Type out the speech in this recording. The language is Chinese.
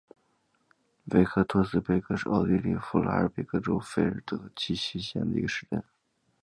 维克托斯贝格是奥地利福拉尔贝格州费尔德基希县的一个市镇。